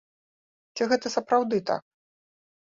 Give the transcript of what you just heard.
Ці гэта сапраўды так?